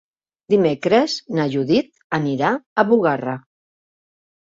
Dimecres na Judit anirà a Bugarra.